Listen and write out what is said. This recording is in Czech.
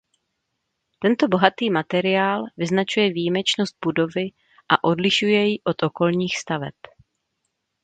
Tento bohatý materiál vyznačuje výjimečnost budovy a odlišuje ji od okolních staveb.